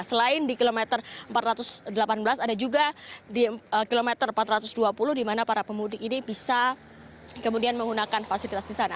selain di kilometer empat ratus delapan belas ada juga di kilometer empat ratus dua puluh di mana para pemudik ini bisa kemudian menggunakan fasilitas di sana